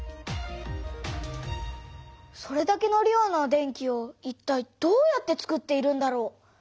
それだけの量の電気をいったいどうやってつくっているんだろう。